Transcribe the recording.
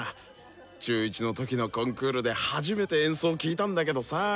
中１の時のコンクールで初めて演奏を聴いたんだけどさあ。